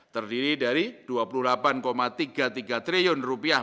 terdiri dari dua puluh delapan tiga puluh tiga triliun rupiah